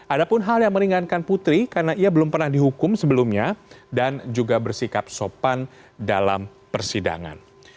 ada pun hal yang meringankan putri karena ia belum pernah dihukum sebelumnya dan juga bersikap sopan dalam persidangan